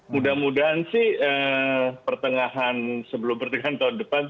mudah mudahan sih pertengahan sebelum pertengahan tahun depan